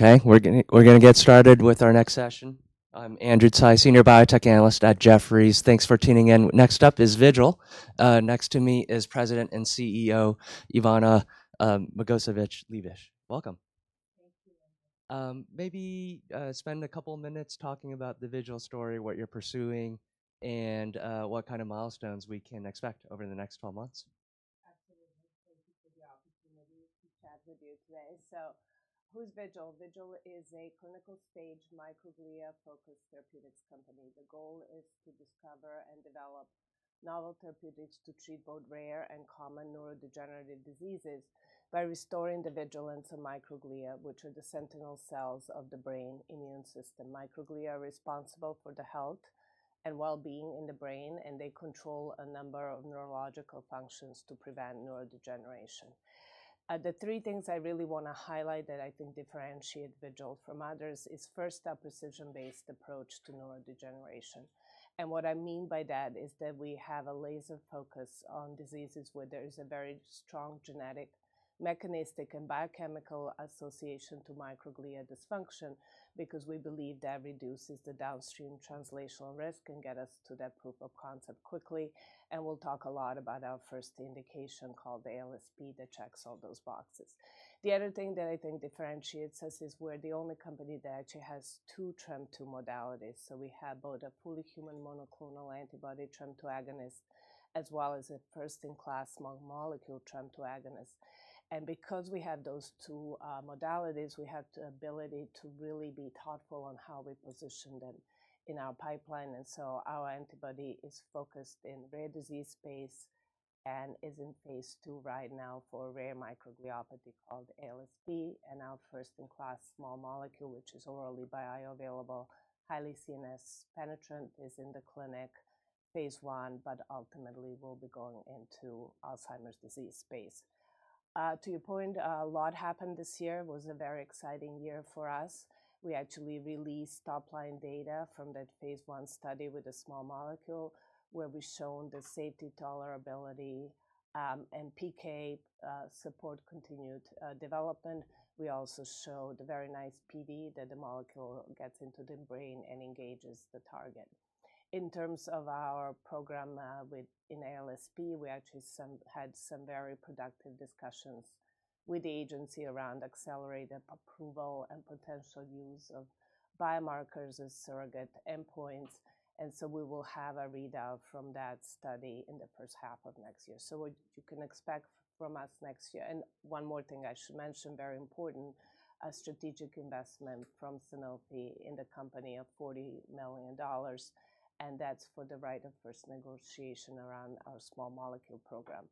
Okay, we're gonna get started with our next session. I'm Andrew Tsai, Senior Biotech Analyst at Jefferies. Thanks for tuning in. Next up is Vigil. Next to me is President and CEO Ivana Magovčević-Liebisch. Welcome. Thank you. Maybe spend a couple of minutes talking about the Vigil story, what you're pursuing, and what kind of milestones we can expect over the next 12 months. Absolutely. Thank you for the opportunity to chat with you today. So who's Vigil? Vigil is a clinical-stage microglia-focused therapeutics company. The goal is to discover and develop novel therapeutics to treat both rare and common neurodegenerative diseases by restoring the vigilance of microglia, which are the sentinel cells of the brain immune system. Microglia are responsible for the health and well-being in the brain, and they control a number of neurological functions to prevent neurodegeneration. The three things I really want to highlight that I think differentiate Vigil from others is, first, a precision-based approach to neurodegeneration. And what I mean by that is that we have a laser focus on diseases where there is a very strong genetic, mechanistic, and biochemical association to microglia dysfunction because we believe that reduces the downstream translational risk and gets us to that proof of concept quickly. And we'll talk a lot about our first indication called the ALSP that checks all those boxes. The other thing that I think differentiates us is we're the only company that actually has two TREM2 modalities. So we have both a fully human monoclonal antibody TREM2 agonist as well as a first-in-class small molecule TREM2 agonist. And because we have those two modalities, we have the ability to really be thoughtful on how we position them in our pipeline. And so our antibody is focused in rare disease space and is in phase II right now for rare microgliopathy called ALSP. And our first-in-class small molecule, which is orally bioavailable, highly CNS penetrant, is in the clinic phase I, but ultimately will be going into Alzheimer's disease space. To your point, a lot happened this year. It was a very exciting year for us. We actually released top-line data from that phase I study with a small molecule where we've shown the safety, tolerability, and PK support continued development. We also showed a very nice PD that the molecule gets into the brain and engages the target. In terms of our program within ALSP, we actually had some very productive discussions with the agency around accelerated approval and potential use of biomarkers as surrogate endpoints, and so we will have a readout from that study in the H1 of next year, so what you can expect from us next year, and one more thing I should mention, very important: a strategic investment from Sanofi in the company of $40 million, and that's for the right of first negotiation around our small molecule program.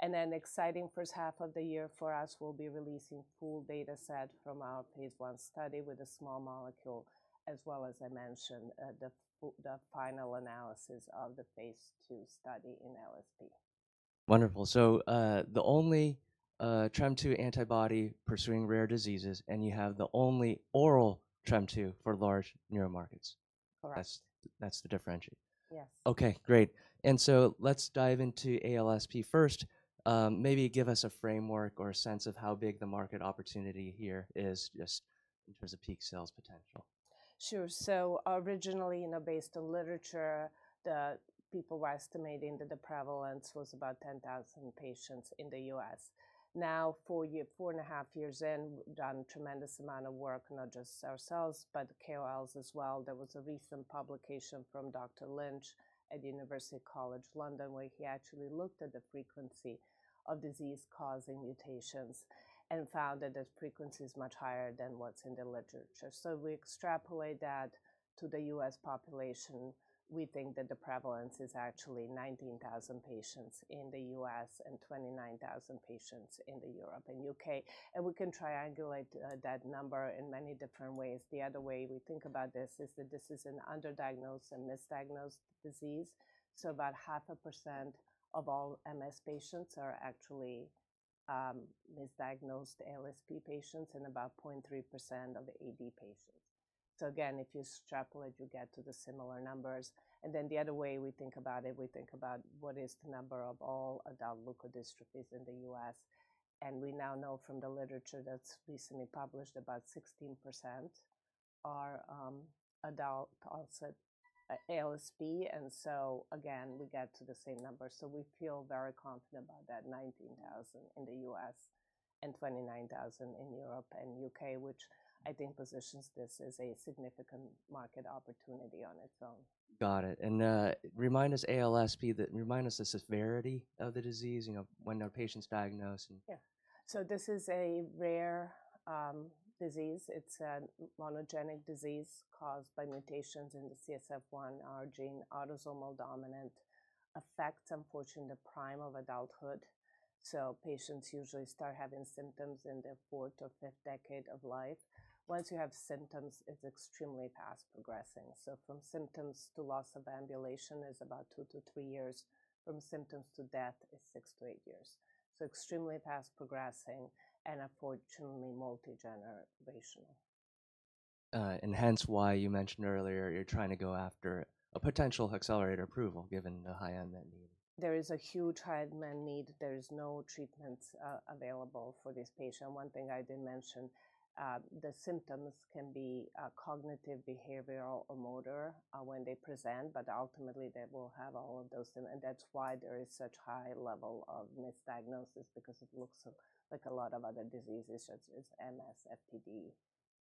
An exciting H1 of the year for us. We'll be releasing a full data set from our phase I study with a small molecule, as well as, I mentioned, the final analysis of the phase II study in ALSP. Wonderful. So the only TREM2 antibody pursuing rare diseases, and you have the only oral TREM2 for large neuromarkets. Correct. That's the differentiator. Yes. Okay, great. And so let's dive into ALSP first. Maybe give us a framework or a sense of how big the market opportunity here is, just in terms of peak sales potential. Sure. So originally, you know, based on literature, people were estimating that the prevalence was about 10,000 patients in the U.S. Now, four and a half years in, we've done a tremendous amount of work, not just ourselves, but KOLs as well. There was a recent publication from Dr. Lynch at the University College London, where he actually looked at the frequency of disease-causing mutations and found that the frequency is much higher than what's in the literature. So we extrapolate that to the U.S. population. We think that the prevalence is actually 19,000 patients in the U.S. and 29,000 patients in Europe and the U.K. And we can triangulate that number in many different ways. The other way we think about this is that this is an underdiagnosed and misdiagnosed disease. So about 0.5% of all MS patients are actually misdiagnosed ALSP patients and about 0.3% of AD patients. So again, if you extrapolate, you get to the similar numbers. And then the other way we think about it, we think about what is the number of all adult leukodystrophies in the U.S. And we now know from the literature that's recently published about 16% are adult-onset ALSP. And so again, we get to the same number. So we feel very confident about that: 19,000 in the U.S. and 29,000 in Europe and U.K., which I think positions this as a significant market opportunity on its own. Got it. And remind us ALSP, remind us the severity of the disease, you know, when a patient's diagnosed. Yeah. So this is a rare disease. It's a monogenic disease caused by mutations in the CSF1R gene, autosomal dominant, affects, unfortunately, the prime of adulthood. So patients usually start having symptoms in their fourth or fifth decade of life. Once you have symptoms, it's extremely fast progressing. So from symptoms to loss of ambulation is about two to three years. From symptoms to death is six to eight years. So extremely fast progressing and unfortunately multi-generational. Hence why you mentioned earlier you're trying to go after a potential accelerated approval given the high unmet need. There is a huge high unmet need. There is no treatment available for this patient. One thing I did mention, the symptoms can be cognitive, behavioral, or motor when they present, but ultimately they will have all of those. And that's why there is such high level of misdiagnosis because it looks like a lot of other diseases, such as MS, FTD,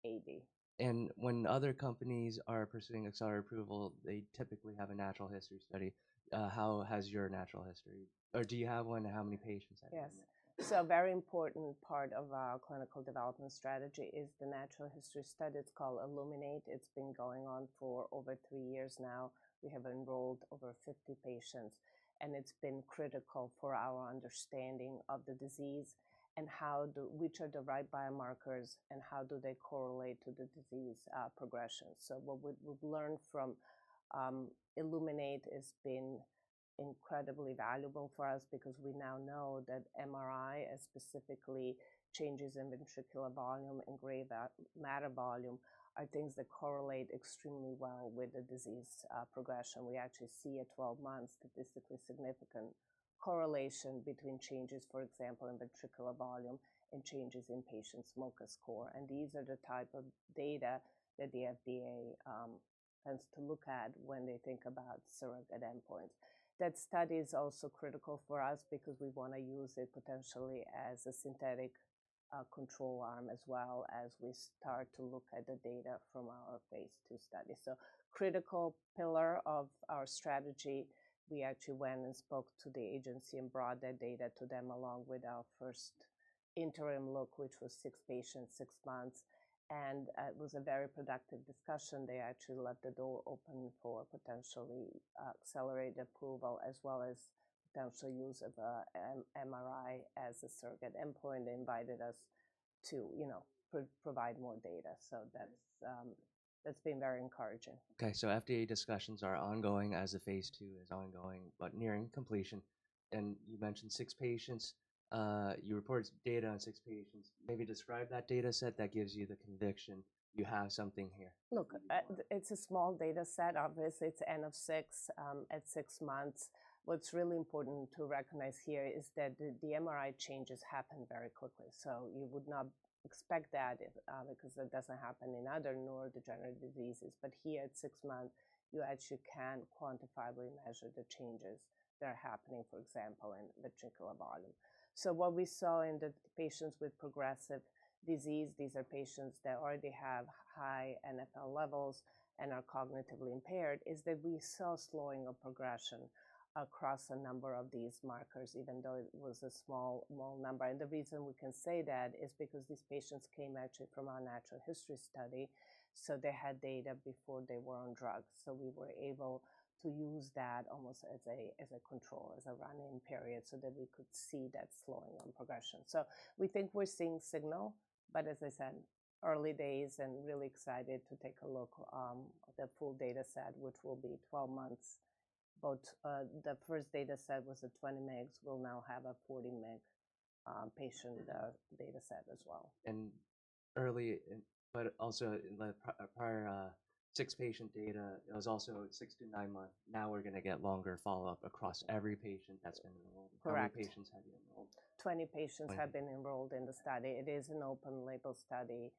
AD. When other companies are pursuing accelerated approval, they typically have a natural history study. How has your natural history, or do you have one? How many patients have you? Yes. So a very important part of our clinical development strategy is the natural history study. It's called ILLUMINATE. It's been going on for over three years now. We have enrolled over 50 patients, and it's been critical for our understanding of the disease and which are the right biomarkers and how do they correlate to the disease progression. So what we've learned from ILLUMINATE has been incredibly valuable for us because we now know that MRI, specifically changes in ventricular volume and gray matter volume, are things that correlate extremely well with the disease progression. We actually see a 12-month statistically significant correlation between changes, for example, in ventricular volume and changes in patient's MoCA score. And these are the type of data that the FDA tends to look at when they think about surrogate endpoints. That study is also critical for us because we want to use it potentially as a synthetic control arm as well as we start to look at the data from our phase II study. So critical pillar of our strategy. We actually went and spoke to the agency and brought that data to them along with our first interim look, which was six patients, six months, and it was a very productive discussion. They actually left the door open for potentially accelerated approval as well as potential use of MRI as a surrogate endpoint. They invited us to, you know, provide more data, so that's been very encouraging. Okay. So FDA discussions are ongoing as a phase II is ongoing, but nearing completion. And you mentioned six patients. You reported data on six patients. Maybe describe that data set that gives you the conviction you have something here? Look, it's a small data set. Obviously, it's N of six at six months. What's really important to recognize here is that the MRI changes happen very quickly. So you would not expect that because that doesn't happen in other neurodegenerative diseases. But here at six months, you actually can quantifiably measure the changes that are happening, for example, in ventricular volume. So what we saw in the patients with progressive disease, these are patients that already have high NfL levels and are cognitively impaired, is that we saw slowing of progression across a number of these markers, even though it was a small number. And the reason we can say that is because these patients came actually from our natural history study. So they had data before they were on drugs. So we were able to use that almost as a control, as a run-in period, so that we could see that slowing on progression. So we think we're seeing signal. But as I said, early days, and really excited to take a look at the full data set, which will be 12 months. But the first data set was a 20 mg. We'll now have a 40 mg patient data set as well. Early, but also in the prior six-patient data, it was also six to nine months. Now we're going to get longer follow-up across every patient that's been enrolled. How many patients have you enrolled? 20 patients have been enrolled in the study. It is an open label study.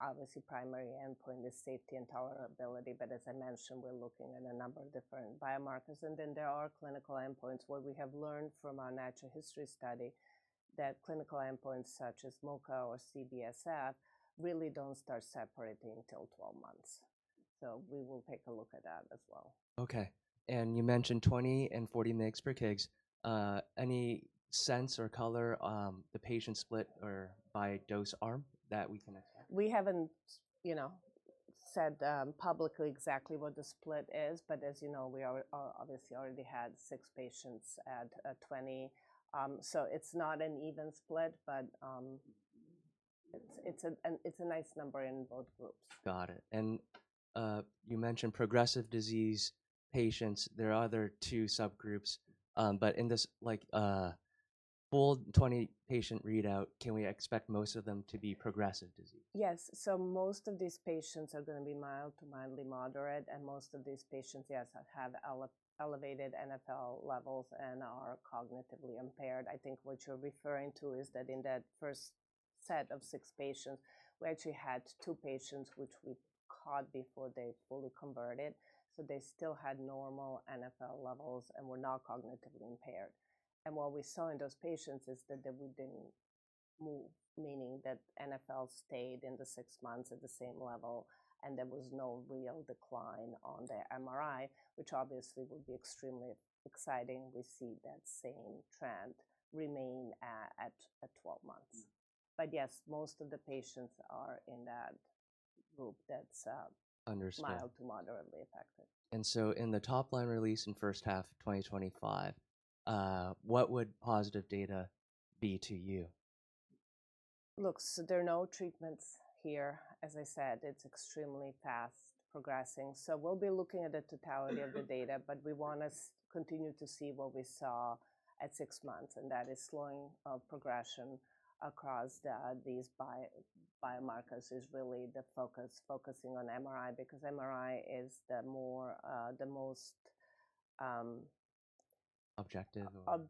Obviously, primary endpoint is safety and tolerability, but as I mentioned, we're looking at a number of different biomarkers, and then there are clinical endpoints where we have learned from our natural history study that clinical endpoints such as MoCA or CBFS really don't start separating till 12 months, so we will take a look at that as well. Okay, and you mentioned 20 and 40 mg per kg. Any sense or color on the patient split or by dose arm that we can expect? We haven't, you know, said publicly exactly what the split is. But as you know, we obviously already had six patients at 20. So it's not an even split, but it's a nice number in both groups. Got it and you mentioned progressive disease patients. There are other two subgroups but in this full 20 patient readout, can we expect most of them to be progressive disease? Yes, so most of these patients are going to be mild to mildly moderate, and most of these patients, yes, have elevated NfL levels and are cognitively impaired. I think what you're referring to is that in that first set of six patients, we actually had two patients which we caught before they fully converted, so they still had normal NfL levels and were not cognitively impaired, and what we saw in those patients is that we didn't move, meaning that NfL stayed in the six months at the same level, and there was no real decline on their MRI, which obviously would be extremely exciting to see that same trend remain at 12 months, but yes, most of the patients are in that group that's mild to moderately affected. In the top-line release in H1 2025, what would positive data be to you? Look, so there are no treatments here. As I said, it's extremely fast progressing. So we'll be looking at the totality of the data, but we want to continue to see what we saw at six months. And that is slowing of progression across these biomarkers is really the focus, focusing on MRI because MRI is the most. Objective or.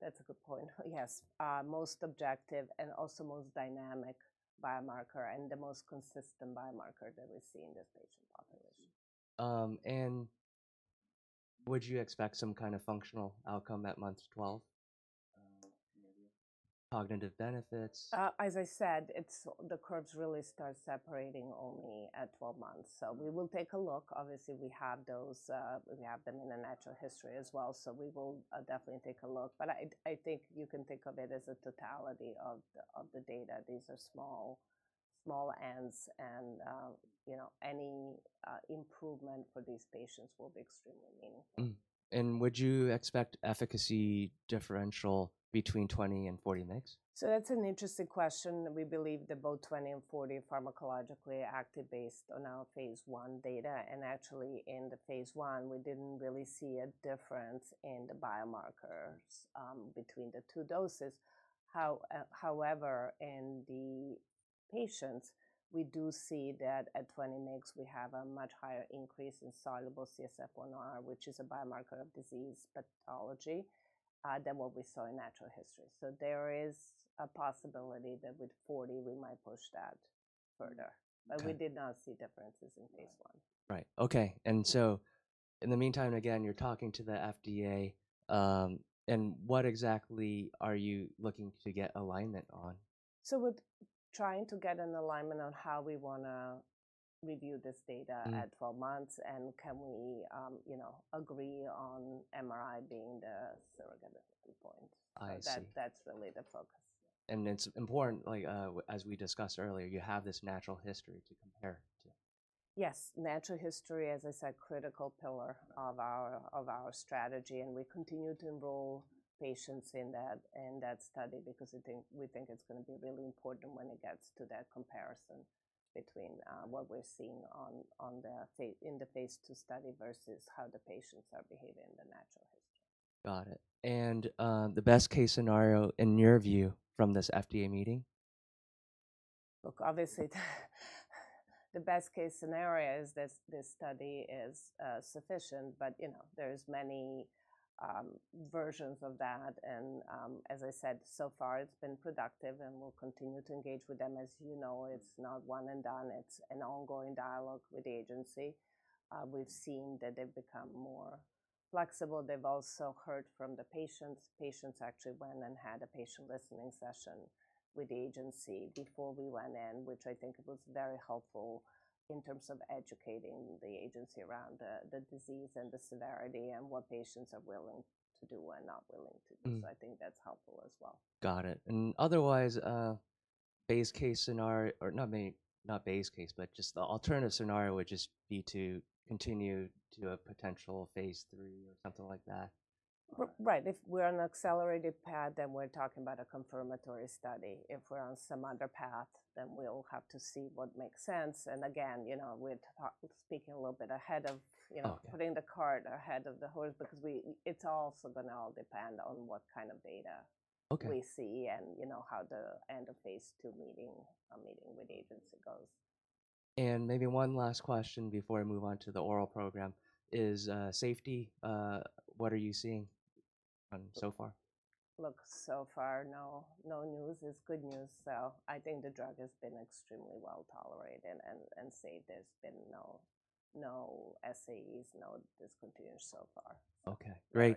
That's a good point. Yes. Most objective and also most dynamic biomarker and the most consistent biomarker that we see in this patient population. And would you expect some kind of functional outcome at month 12? Cognitive benefits? As I said, the curves really start separating only at 12 months. So we will take a look. Obviously, we have those. We have them in the natural history as well. So we will definitely take a look. But I think you can think of it as a totality of the data. These are small, small n's. And, you know, any improvement for these patients will be extremely meaningful. Would you expect efficacy differential between 20 and 40 mg? That's an interesting question. We believe that both 20 and 40 are pharmacologically active based on our phase I data. Actually, in the phase I, we didn't really see a difference in the biomarkers between the two doses. However, in the patients, we do see that at 20 mg, we have a much higher increase in soluble CSF1R, which is a biomarker of disease pathology than what we saw in natural history. There is a possibility that with 40, we might push that further. We did not see differences in phase I. Right. Okay. And so in the meantime, again, you're talking to the FDA. And what exactly are you looking to get alignment on? So we're trying to get an alignment on how we want to review this data at 12 months and can we, you know, agree on MRI being the surrogate endpoint. So that's really the focus. And it's important, like as we discussed earlier, you have this natural history to compare to. Yes. Natural history, as I said, critical pillar of our strategy. And we continue to enroll patients in that study because we think it's going to be really important when it gets to that comparison between what we're seeing in the phase II study versus how the patients are behaving in the natural history. Got it. And the best case scenario in your view from this FDA meeting? Look, obviously, the best case scenario is that this study is sufficient, but you know, there are many versions of that, and as I said, so far, it's been productive and we'll continue to engage with them. As you know, it's not one and done. It's an ongoing dialogue with the agency. We've seen that they've become more flexible. They've also heard from the patients. Patients actually went and had a patient listening session with the agency before we went in, which I think was very helpful in terms of educating the agency around the disease and the severity and what patients are willing to do and not willing to do, so I think that's helpful as well. Got it. And otherwise, base case scenario, or not base case, but just the alternative scenario would just be to continue to a potential phase III or something like that. Right. If we're on an accelerated path, then we're talking about a confirmatory study. If we're on some other path, then we'll have to see what makes sense. And again, you know, we're speaking a little bit ahead of, you know, putting the cart ahead of the horse because it's also going to all depend on what kind of data we see and, you know, how the end of phase II meeting with the agency goes. Maybe one last question before I move on to the oral program is safety. What are you seeing so far? Look, so far, no news is good news. So I think the drug has been extremely well tolerated and safe. There's been no SAEs, no discontinuation so far. Okay. Great.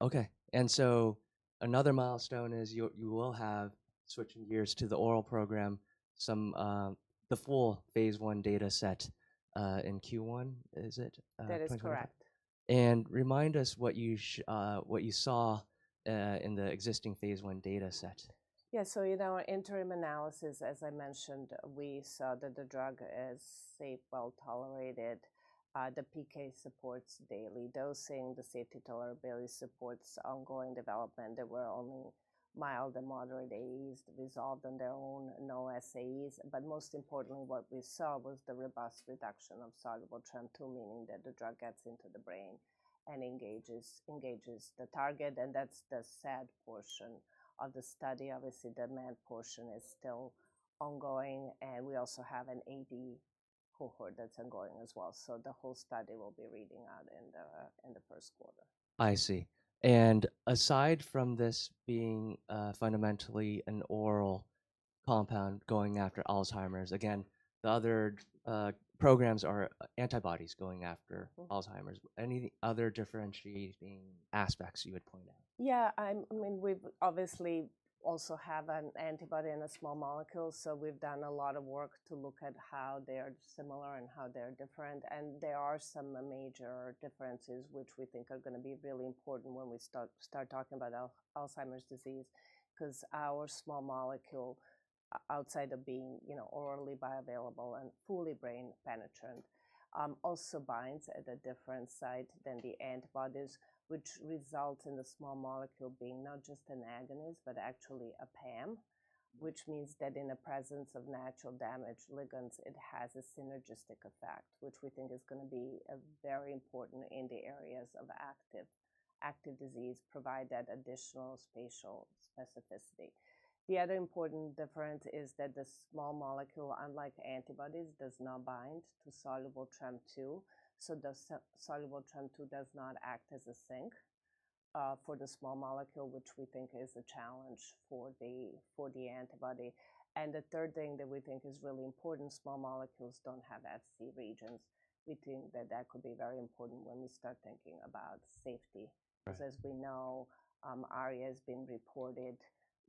Okay. And so another milestone is you will have, switching gears to the oral program, the full phase I data set in Q1, is it? That is correct. Remind us what you saw in the existing phase I data set? Yeah. So in our interim analysis, as I mentioned, we saw that the drug is safe, well tolerated. The PK supports daily dosing. The safety tolerability supports ongoing development. There were only mild and moderate AEs that resolved on their own, no SAEs. But most importantly, what we saw was the robust reduction of soluble TREM2, meaning that the drug gets into the brain and engages the target. And that's the SAD portion of the study. Obviously, the MAD portion is still ongoing. And we also have an AD cohort that's ongoing as well. So the whole study will be reading out in Q1. I see. And aside from this being fundamentally an oral compound going after Alzheimer's, again, the other programs are antibodies going after Alzheimer's. Any other differentiating aspects you would point out? Yeah. I mean, we obviously also have an antibody and a small molecule. So we've done a lot of work to look at how they are similar and how they are different. And there are some major differences which we think are going to be really important when we start talking about Alzheimer's disease because our small molecule, outside of being, you know, orally bioavailable and fully brain penetrant, also binds at a different site than the antibodies, which results in the small molecule being not just an agonist, but actually a PAM, which means that in the presence of natural damage ligands, it has a synergistic effect, which we think is going to be very important in the areas of active disease, provide that additional spatial specificity. The other important difference is that the small molecule, unlike antibodies, does not bind to soluble TREM2. So the soluble TREM2 does not act as a sink for the small molecule, which we think is a challenge for the antibody. And the third thing that we think is really important, small molecules don't have Fc regions. We think that that could be very important when we start thinking about safety. As we know, ARIA has been reported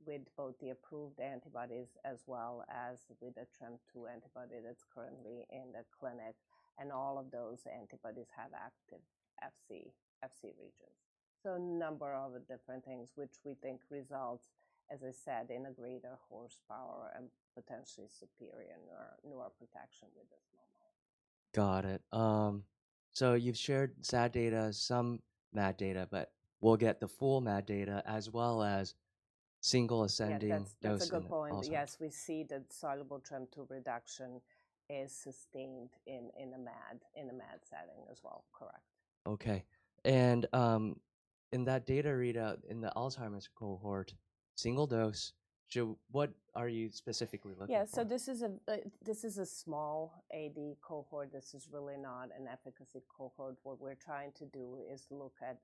with both the approved antibodies as well as with the TREM2 antibody that's currently in the clinic. And all of those antibodies have active Fc regions. So a number of different things, which we think results, as I said, in a greater horsepower and potentially superior neural protection with this small molecule. Got it. So you've shared SAD data, some MAD data, but we'll get the full MAD data as well as single ascending dosing models. That's a good point. Yes. We see that soluble TREM2 reduction is sustained in a MAD setting as well. Correct. Okay. And in that data readout in the Alzheimer's cohort, single dose, what are you specifically looking at? Yeah. So this is a small AD cohort. This is really not an efficacy cohort. What we're trying to do is look at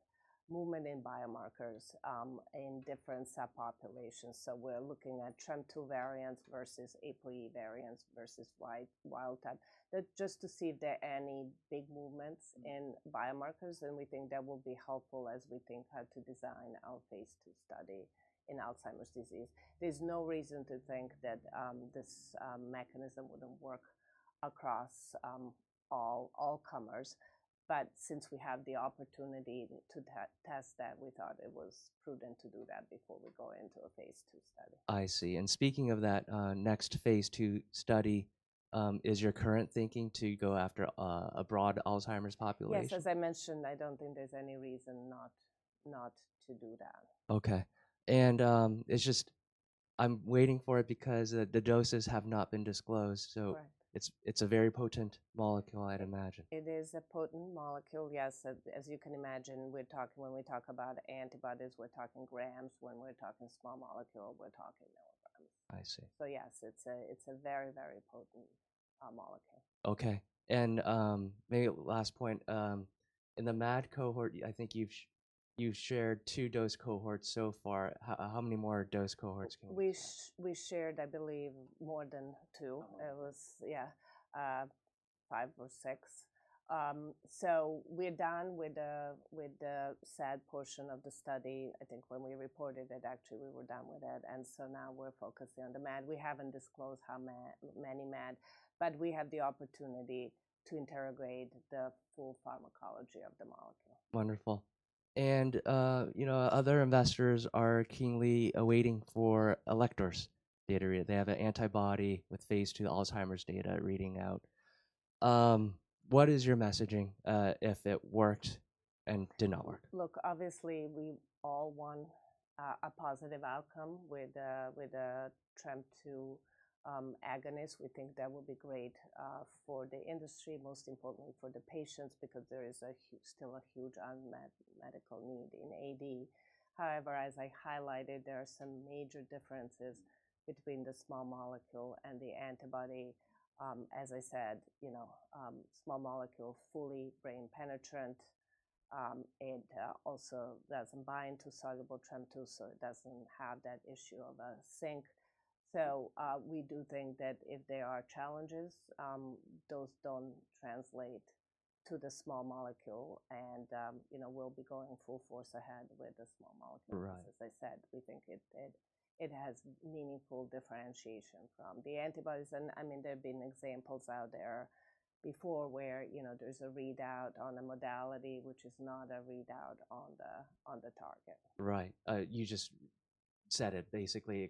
movement in biomarkers in different subpopulations. So we're looking at TREM2 variants versus APOE variants versus wild type. Just to see if there are any big movements in biomarkers. And we think that will be helpful as we think how to design our phase II study in Alzheimer's disease. There's no reason to think that this mechanism wouldn't work across all comers. But since we have the opportunity to test that, we thought it was prudent to do that before we go into a phase II study. I see. And speaking of that, next phase II study, is your current thinking to go after a broad Alzheimer's population? Yes. As I mentioned, I don't think there's any reason not to do that. Okay. And it's just I'm waiting for it because the doses have not been disclosed. So it's a very potent molecule, I'd imagine. It is a potent molecule. Yes. As you can imagine, when we talk about antibodies, we're talking grams. When we're talking small molecule, we're talking milligrams. I see. So yes, it's a very, very potent molecule. Okay, and maybe last point. In the MAD cohort, I think you've shared two dose cohorts so far. How many more dose cohorts can we? We shared, I believe, more than two. It was, yeah, five or six. So we're done with the SAD portion of the study. I think when we reported it, actually, we were done with it. And so now we're focusing on the MAD. We haven't disclosed how many MAD, but we have the opportunity to interrogate the full pharmacology of the molecule. Wonderful. And, you know, other investors are keenly awaiting for Alector's data readout. They have an antibody with phase II Alzheimer's data reading out. What is your messaging if it worked and did not work? Look, obviously, we all want a positive outcome with a TREM2 agonist. We think that would be great for the industry, most importantly for the patients, because there is still a huge unmet medical need in AD. However, as I highlighted, there are some major differences between the small molecule and the antibody. As I said, you know, small molecule, fully brain penetrant. It also doesn't bind to soluble TREM2, so it doesn't have that issue of a sink. So we do think that if there are challenges, those don't translate to the small molecule. And, you know, we'll be going full force ahead with the small molecule. As I said, we think it has meaningful differentiation from the antibodies. And I mean, there have been examples out there before where, you know, there's a readout on a modality, which is not a readout on the target. Right. You just said it basically.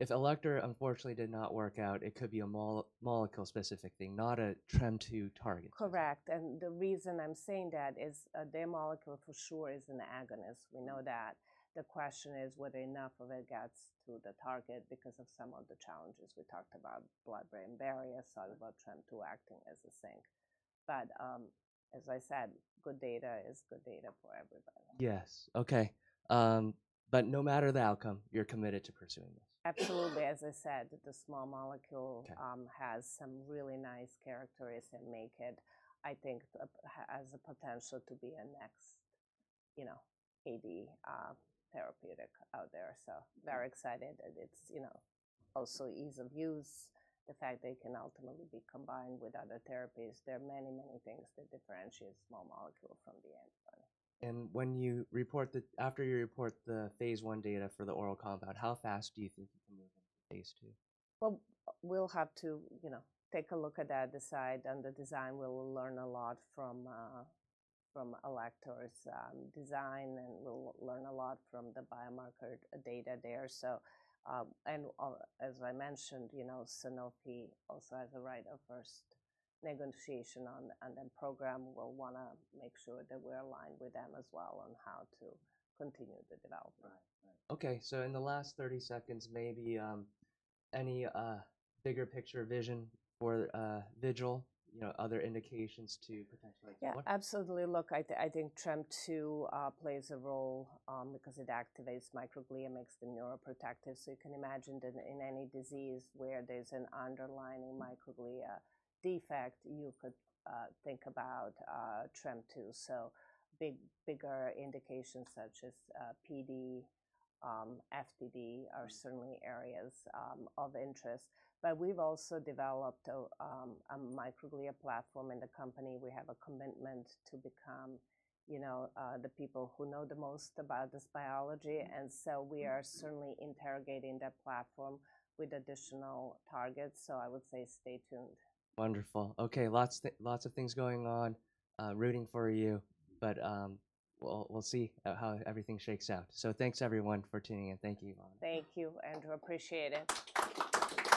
If Alector, unfortunately, did not work out, it could be a molecule-specific thing, not a TREM2 target. Correct. And the reason I'm saying that is their molecule for sure is an agonist. We know that. The question is whether enough of it gets to the target because of some of the challenges we talked about, blood-brain barrier, soluble TREM2 acting as a sink. But as I said, good data is good data for everybody. Yes. Okay. But no matter the outcome, you're committed to pursuing this. Absolutely. As I said, the small molecule has some really nice characteristics that make it, I think, has the potential to be a next, you know, AD therapeutic out there. So very excited that it's, you know, also ease of use, the fact that it can ultimately be combined with other therapies. There are many, many things that differentiate small molecule from the antibody. After you report the phase I data for the oral compound, how fast do you think you can move into phase II? We'll have to, you know, take a look at that, decide on the design. We'll learn a lot from Alector's design, and we'll learn a lot from the biomarker data there. So, and as I mentioned, you know, Sanofi also has a right of first negotiation on the program. We'll want to make sure that we're aligned with them as well on how to continue the development. Okay. So in the last 30 seconds, maybe any bigger picture vision for Vigil, you know, other indications to potentially explore? Yeah. Absolutely. Look, I think TREM2 plays a role because it activates microglia, makes the neuroprotective. So you can imagine that in any disease where there's an underlying microglia defect, you could think about TREM2. So bigger indications such as PD, FDD are certainly areas of interest. But we've also developed a microglia platform in the company. We have a commitment to become, you know, the people who know the most about this biology. And so we are certainly interrogating that platform with additional targets. So I would say stay tuned. Wonderful. Okay. Lots of things going on, rooting for you. But we'll see how everything shakes out. So thanks, everyone, for tuning in. Thank you, Ivana. Thank you, Andrew. Appreciate it.